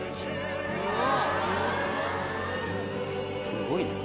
すごいね。